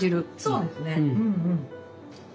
そうですね。